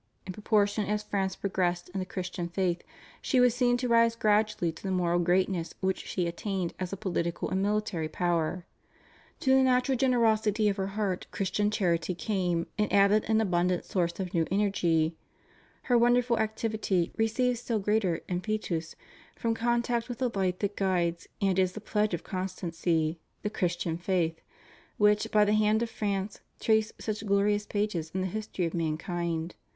... In proportion as France progressed in the Christian faith she was seen to rise gradually to the moral greatness which she attained as a political and mihtary power. To the natural gen erosity of her heart Christian charity came and added an abundant source of new energy; her wonderful activity received still greater impetus from contact with the light that guides and is the pledge of constancy, the Christian faith, which, by the hand of France, traced such glorious pages in the history of mankind.